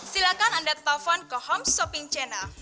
silahkan anda telfon ke homeshopping channel